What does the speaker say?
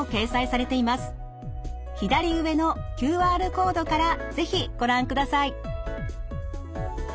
左上のＱＲコードから是非ご覧ください。